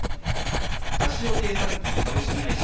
カシオ計算機株式会社